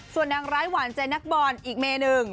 ส่วนนางร้ายหวานใจนักบอลอีกเมหนึ่ง